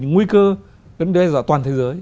những nguy cơ những đe dọa toàn thế giới